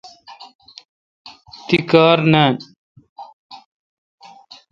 دی تانی کار تھان۔